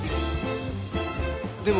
でも